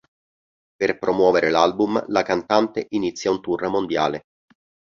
Per promuovere l'album la cantante inizia un tour mondiale.